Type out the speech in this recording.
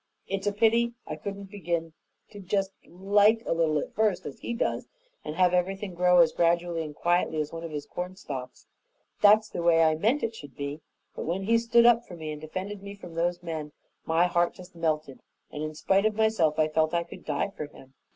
It's a pity I couldn't begin to just LIKE a little at first, as he does and have everything grow as gradually and quietly as one of his cornstalks. That's the way I meant it should be; but when he stood up for me and defended me from those men, my heart just melted, and in spite of myself, I felt I could die for him.